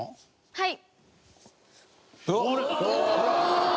はい。